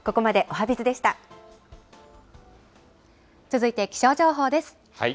続いて気象情報です。